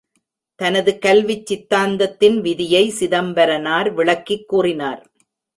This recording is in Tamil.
தனது கல்விச் சித்தாந்தத்தின் விதியை சிதம்பரனார் விளக்கிக் கூறினார்.